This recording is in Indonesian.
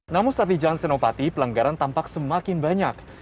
namun saat di jalan senopati pelanggaran tampak semakin banyak